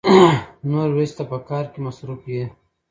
نورې ورځې ته په کار کې مصروف يې.